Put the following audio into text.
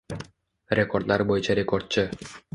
Rekordlar bo‘yicha rekordchi